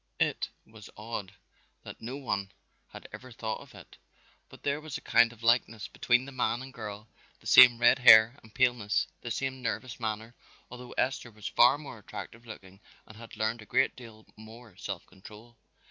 It was odd that no one had ever thought of it, but there was a kind of likeness between the man and girl, the same red hair and paleness, the same nervous manner, although Esther was far more attractive looking and had learned a great deal more self control.